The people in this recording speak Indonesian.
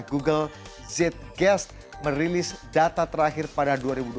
google z guest merilis data terakhir pada dua ribu dua belas